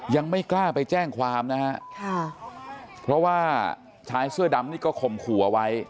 ยังไม่กล้าไปแจ้งความนะฮะค่ะเพราะว่าชายเสื้อดำนี่ก็ข่มขู่เอาไว้